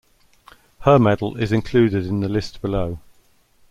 Her medal is included in the list below.